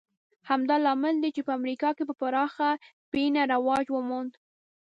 همدا لامل دی چې په امریکا کې په پراخه پینه رواج وموند